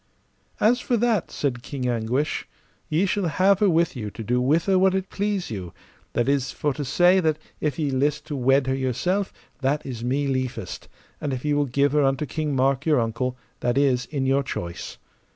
As for that, said King Anguish, ye shall have her with you to do with her what it please you; that is for to say if that ye list to wed her yourself, that is me liefest, and if ye will give her unto King Mark, your uncle, that is in your choice.